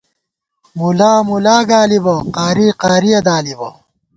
مُلا مُلا گالِبہ ، قاری قارِیہ دالِبہ